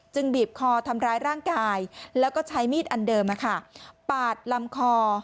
บีบคอทำร้ายร่างกายแล้วก็ใช้มีดอันเดิมปาดลำคอ